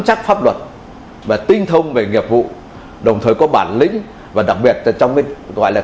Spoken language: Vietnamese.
chắc pháp luật và tinh thông về nghiệp vụ đồng thời có bản lĩnh và đặc biệt trong bên gọi là